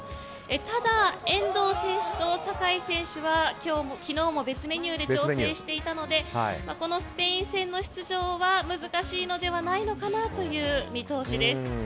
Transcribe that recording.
ただ、遠藤選手と酒井選手は昨日も別メニューで調整していたのでこのスペイン戦の出場は難しいのではないのかなという見通しです。